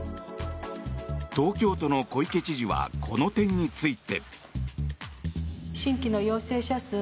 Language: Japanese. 東京都の小池知事はこの点について。